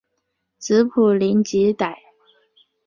子卜怜吉歹。